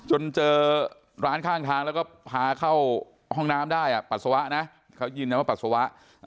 จนเจอร้านข้างทางแล้วก็พาเข้าห้องน้ำได้ปัสสาวะนะเขายินนะว่าปัสสาวะ